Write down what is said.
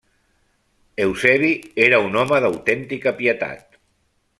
Eusebi era un home d'autèntica pietat.